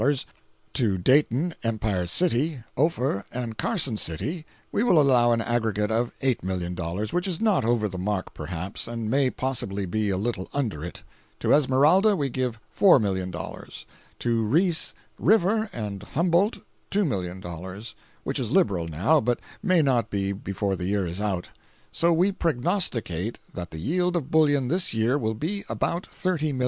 To Dayton, Empire City, Ophir and Carson City, we will allow an aggregate of $8,000,000, which is not over the mark, perhaps, and may possibly be a little under it. To Esmeralda we give $4,000,000. To Reese River and Humboldt $2,000,000, which is liberal now, but may not be before the year is out. So we prognosticate that the yield of bullion this year will be about $30,000,000.